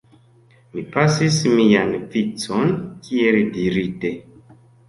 Mi pasis mian vicon, kiel dirite.